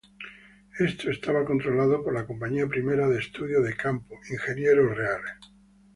Esto estaba controlado por la Compañía Primera de Estudio de Campo, Ingenieros Reales.